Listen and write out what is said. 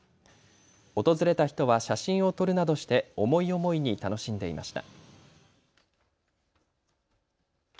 訪れた人は写真を撮るなどして思い思いに楽しんでいました。